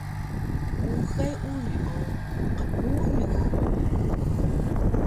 uxay uri o qmuyux